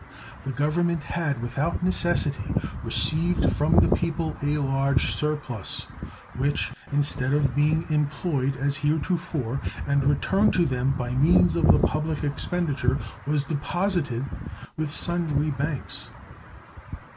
The Government had without necessity received from the people a large surplus, which, instead of being employed as heretofore and returned to them by means of the public expenditure, was deposited with sundry banks.